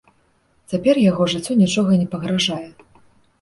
Цяпер яго жыццю нічога не пагражае.